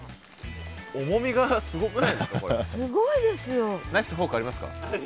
重みがすごくないですかこれ。